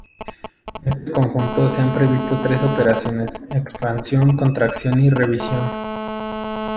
En este conjunto, se han previsto tres operaciones: expansión, contracción y revisión.